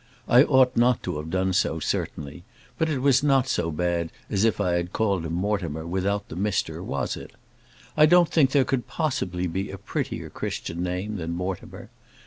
I ought not to have done so, certainly; but it was not so bad as if I had called him Mortimer without the Mr, was it? I don't think there could possibly be a prettier Christian name than Mortimer.